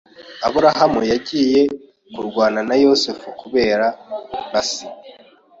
Aburahamu yagiye kurwana na Yozefu kubera Lucy